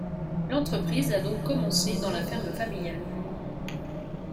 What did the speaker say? L'entreprise a donc commencé dans la ferme familiale.